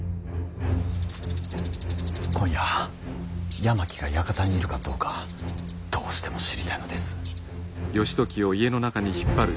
今夜山木が館にいるかどうかどうしても知りたいのです。